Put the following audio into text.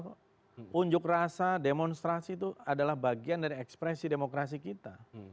unjuk rasa demonstrasi itu adalah bagian dari ekspresi demokrasi kita